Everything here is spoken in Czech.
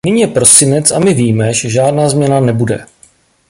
Nyní je prosinec a my víme, že žádná změna nebude.